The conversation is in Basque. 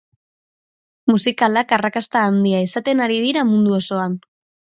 Musikalak arrakasta handia izaten ari dira mundu osoan.